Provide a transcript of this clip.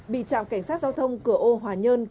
bị trạm cảnh sát giao thông cửa ô hòa nhơn